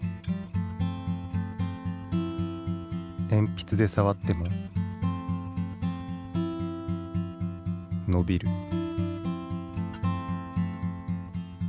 鉛筆で触っても伸びる。